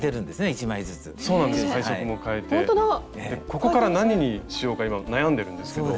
ここから何にしようか今悩んでるんですけど。